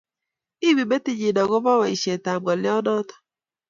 Iimi metit nyi akoba boishet ab ngoliot noto